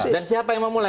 dan siapa yang memulai